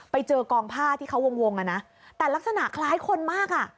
ไปเจอกองผ้าที่เขาวงอ่ะนะแต่ลักษณะคล้ายคนมากอ่ะ